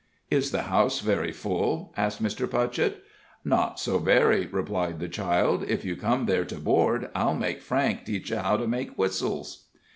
"Is the house very full?" asked Mr. Putchett. "Not so very," replied the child. "If you come there to board, I'll make Frank teach you how to make whistles."